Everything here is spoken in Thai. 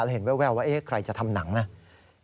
และเห็นแววว่าเอ๊ะใครจะทำหนังน่ะ